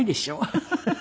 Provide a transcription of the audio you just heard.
フフフフ。